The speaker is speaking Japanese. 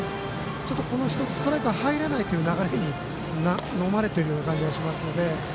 ちょっと１つストライクが入らないという流れにのまれている感じがしますので。